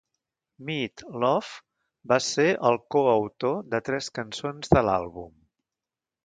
Meat Loaf va ser el coautor de tres cançons de l'àlbum.